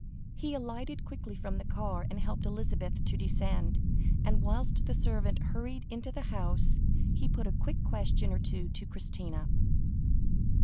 He alighted quickly from the car, and helped Elizabeth to descend; and, whilst the servant hurried into the house, he put a quick question or two to Christina.